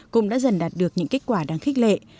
cũng đã dần đạt được những kết quả đáng khích lệ